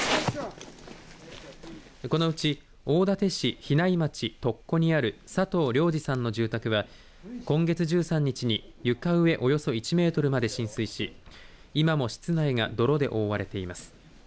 このうち大館市比内町独鈷にある佐藤良二さんの住宅は今月１３日に床上およそ１メートルまで浸水し今も室内が泥で覆われています。